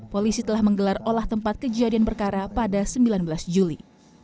polisi telah menggelar olah tempat kejadian perkara pada sembilan belas juli